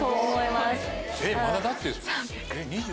まだだって２０？